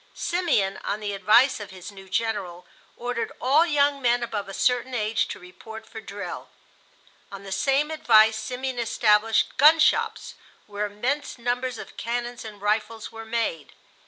Simeon, on the advice of his new General, ordered all young men above a certain age to report for drill. On the same advice Simeon established gun shops, where immense numbers of cannons and rifles were made.